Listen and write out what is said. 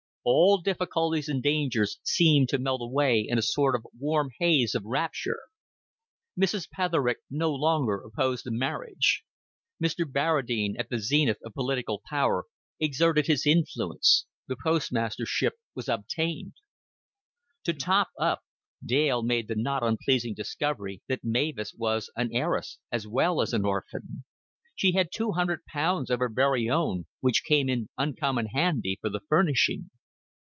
All difficulties and dangers seemed to melt away in a sort of warm haze of rapture. Mrs. Petherick no longer opposed the marriage; Mr. Barradine, at the zenith of political power, exerted his influence; the postmastership was obtained. To top up, Dale made the not unpleasing discovery that Mavis was an heiress as well as an orphan. She had two hundred pounds of her very own, "which came in uncommon handy for the furnishing."